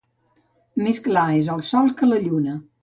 Més clar és el sol que la lluna.